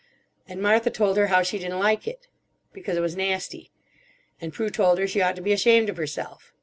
And Martha told her how she didn't like it. Because it was nasty. And Prue told her she ought to be ashamed of herself.